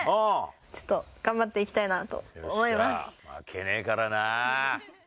ちょっと頑張っていきたいな負けねえからな。